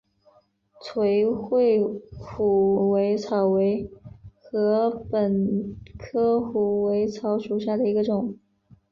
垂穗虎尾草为禾本科虎尾草属下的一个种。